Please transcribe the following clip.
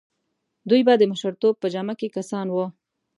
دوی به د مشرتوب په جامه کې کسان وو.